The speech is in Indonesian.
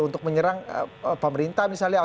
untuk menyerang pemerintah misalnya